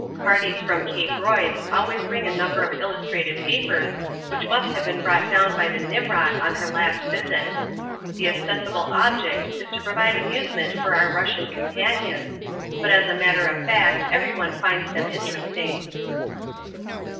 Parties from C. Royds always bring a number of illustrated papers which must have been brought down by the Nimrod on her last visit. The ostensible object is to provide amusement for our Russian companions, but as a matter of fact everyone finds them interesting.